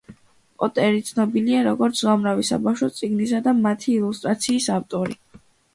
პოტერი ცნობილია, როგორც უამრავი საბავშვო წიგნისა და მათი ილუსტრაციების ავტორი.